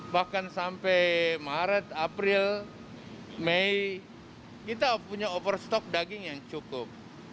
bahkan sampai maret april mei kita punya overstok daging yang cukup